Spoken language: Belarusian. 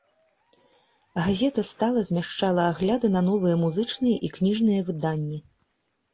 Газета стала змяшчала агляды на новыя музычныя і кніжныя выданні.